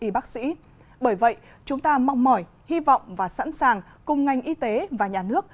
bởi vậy chúng ta mong mỏi hy vọng và sẵn sàng cùng ngành y tế và nhà nước